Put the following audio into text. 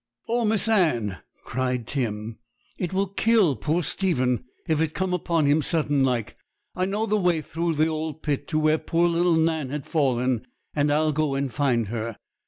'Oh, Miss Anne!' cried Tim; 'it will kill poor Stephen, if it come upon him sudden like. I know the way through the old pit to where poor little Nan has fallen; and I'll go and find her.